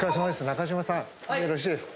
中島さんよろしいですか？